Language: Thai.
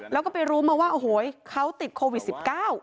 แล้วก็ไปรู้มาว่าโอ้โฮเขาติดโควิด๑๙